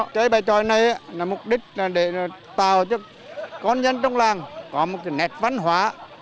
chơi bài tròi này mục đích là tạo cho con dân trong làng có một nệp văn hóa